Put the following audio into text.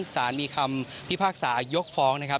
สารมีคำพิพากษายกฟ้องนะครับ